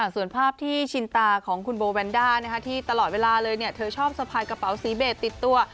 ส่วนภาพที่ชินตาของคุณโบแวนด้าที่ตลอดเวลาเลยเธอชอบสะพายกระเป๋าสีเบสติดตัว